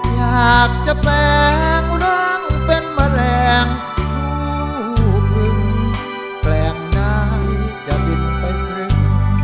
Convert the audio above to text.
อยากจะแปลงร่างเป็นแมลงผู้พึงแปลงน้ำจะบินไปครึ่ง